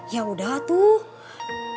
ya udah tuh